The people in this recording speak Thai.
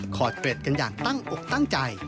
ขอดเกร็ดกันอย่างตั้งอกตั้งใจ